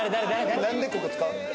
なんでここ使う？